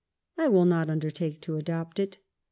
I will not under take to adopt it.